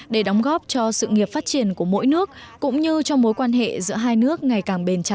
để đóng góp cho sự nghiệp phát triển của mỗi nước cũng như cho mối quan hệ giữa hai nước ngày càng bền chặt